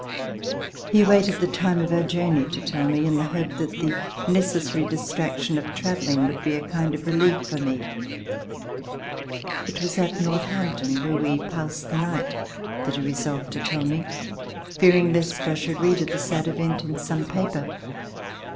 He awaited the time of our journey to tell me, in the hope that the necessary distraction of travelling would be a kind of relief for me. It was at Northampton, where we passed the night, that he resolved to tell me, fearing lest I should read of the sad event in some paper.